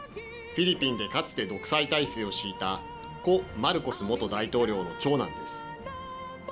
フィリピンでかつて独裁体制を敷いた故マルコス元大統領の長男です。